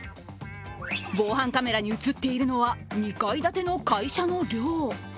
防犯カメラに映っているのは、２階建ての会社の寮。